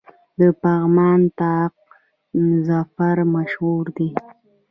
د پغمان طاق ظفر مشهور دی